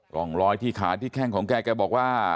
ร่องรอยที่ขาที่แข้งของแกบอกว่า